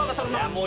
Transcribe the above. もう。